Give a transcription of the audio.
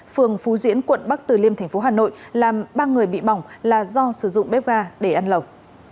phường phú diễn quận bắc từ liêm thành phố hà nội làm ba người bị bỏng là do sử dụng bếp ga để ăn lồng